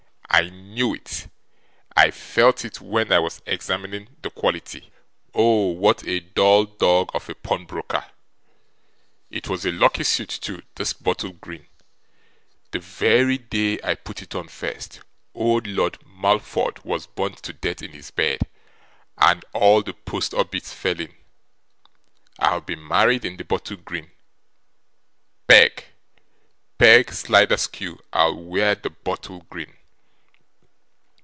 I knew it! I felt it when I was examining the quality. Oh, what a dull dog of a pawnbroker! It was a lucky suit too, this bottle green. The very day I put it on first, old Lord Mallowford was burnt to death in his bed, and all the post obits fell in. I'll be married in the bottle green. Peg. Peg Sliderskew I'll wear the bottle green!